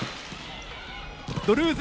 ドルーズ！